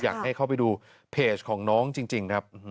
อยากให้เข้าไปดูเพจของน้องจริงครับ